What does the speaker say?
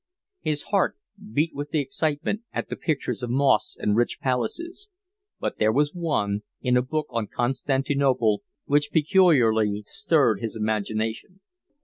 His heart beat with excitement at the pictures of mosques and rich palaces; but there was one, in a book on Constantinople, which peculiarly stirred his imagination.